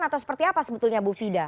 atau seperti apa sebetulnya bu fida